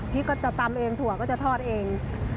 พี่ก็จะตำเองถั่วก็จะทอดเอง